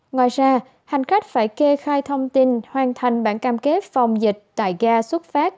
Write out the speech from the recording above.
ngoài ra hành khách phải kê khai thông tin hoàn thành bản cam kết phòng dịch tại ga xuất phát